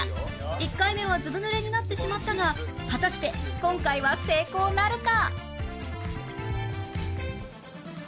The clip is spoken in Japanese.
１回目はずぶぬれになってしまったが果たして今回は成功なるか？